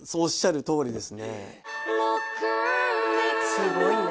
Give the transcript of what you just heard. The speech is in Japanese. すごいね。